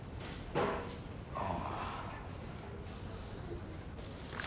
ああ。